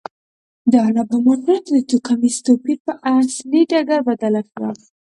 د الاباما ټولنه د توکمیز توپیر پر اصلي ډګر بدله شوه.